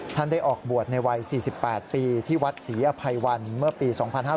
ได้ออกบวชในวัย๔๘ปีที่วัดศรีอภัยวันเมื่อปี๒๕๕๙